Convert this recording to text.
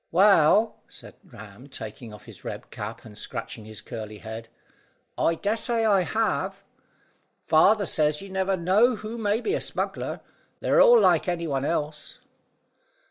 "Well," said Ram, taking off his red cap, and scratching his curly head, "I dessay I have. Father says you never know who may be a smuggler: they're all like any one else."